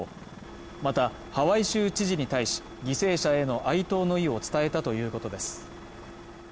またハワイ州知事に対し犠牲者への哀悼の意を伝えたということです